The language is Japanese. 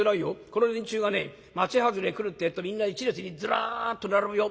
この連中がね町外れへ来るってえとみんな１列にずらっと並ぶよ。